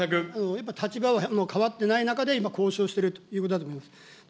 やっぱり立場は変わっていない中で、今、交渉をしているということだと思います。